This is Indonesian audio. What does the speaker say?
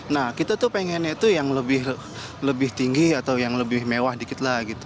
nah kita tuh pengennya itu yang lebih tinggi atau yang lebih mewah dikit lah gitu